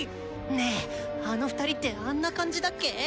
ねえあの２人ってあんな感じだっけ